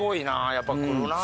やっぱくるなあ。